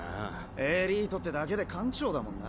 エリートってだけで艦長だもんな。